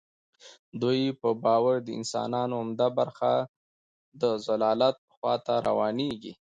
دوی په باور د انسانانو عمده برخه د ضلالت خوا ته روانیږي.